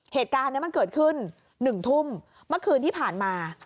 เหตุการณ์นี้มันเกิดขึ้น๑ทุ่มเมื่อคืนที่ผ่านมา